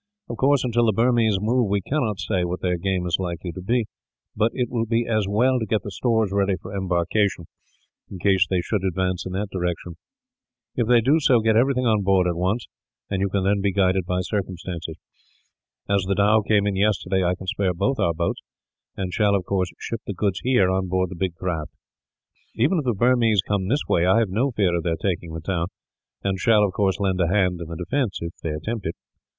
Of course, until the Burmese move we cannot say what their game is likely to be; but it will be as well to get the stores ready for embarkation, in case they should advance in that direction. If they do so, get everything on board at once; and you can then be guided by circumstances. As the dhow came in yesterday, I can spare both our boats; and shall, of course, ship the goods here on board the big craft. Even if the Burmese come this way, I have no fear of their taking the town; and shall, of course, lend a hand in the defence, if they attempt it.